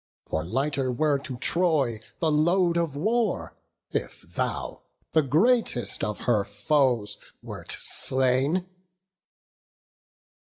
For lighter were to Troy the load of war, If thou, the greatest of her foes, wert slain."